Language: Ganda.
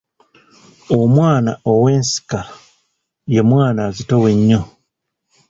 Omwana ow’ensika ye mwana azitowa ennyo.